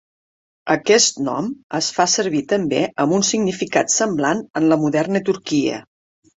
Aquest nom es fa servir també amb un significat semblant en la moderna Turquia.